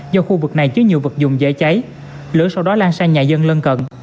do khu vực này chứa nhiều vật dụng dễ cháy lửa sau đó lan sang nhà dân lân cận